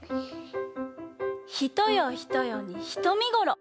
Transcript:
「ひとよひとよにひとみごろ」。